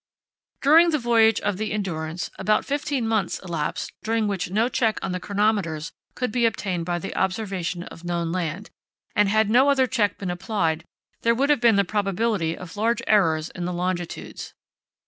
During the voyage of the Endurance about fifteen months elapsed during which no check on the chronometers could be obtained by the observation of known land, and had no other check been applied there would have been the probability of large errors in the longitudes.